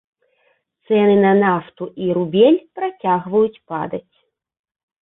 Цэны на нафту і рубель працягваюць падаць.